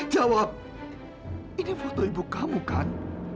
tapi aku ingin maaf perlahan